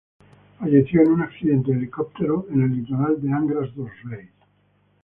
Falleció en un accidente de helicóptero en el litoral de Angra dos Reis.